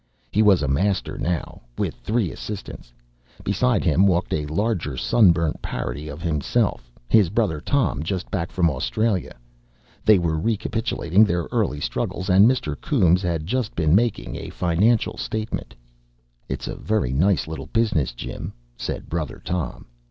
He was a master now, with three assistants. Beside him walked a larger sunburnt parody of himself, his brother Tom, just back from Australia. They were recapitulating their early struggles, and Mr. Coombes had just been making a financial statement. "It's a very nice little business, Jim," said brother Tom.